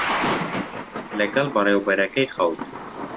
لەگەڵ بەڕێوەبەرەکەی خەوت.